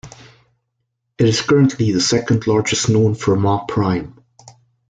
It is currently the second largest known Fermat prime.